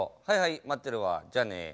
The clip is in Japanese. はいはい待ってるわじゃあね。